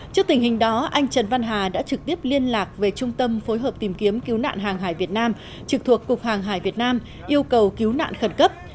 trước tình hình đó anh trần văn hà đã trực tiếp liên lạc về trung tâm phối hợp tìm kiếm cứu nạn hàng hải việt nam trực thuộc cục hàng hải việt nam yêu cầu cứu nạn khẩn cấp